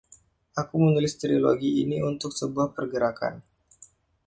Aku menulis trilogi ini untuk sebuah pergerakan.